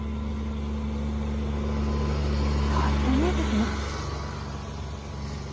変わったね拓真。